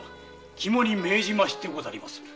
肝に銘じましてござりまする。